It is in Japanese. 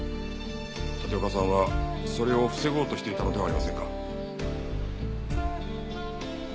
立岡さんはそれを防ごうとしていたのではありませんか？